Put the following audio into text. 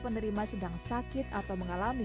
penerima sedang sakit atau mengalami